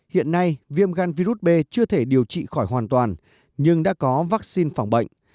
hiện nay viêm gan virus b chưa thể điều trị khỏi hoàn toàn nhưng đã có vaccine phòng bệnh